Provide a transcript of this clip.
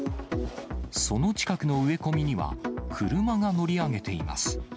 その近くの植え込みには車が乗り上げています。